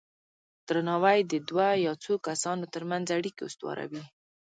درناوی د دوه یا څو کسانو ترمنځ اړیکې استواروي.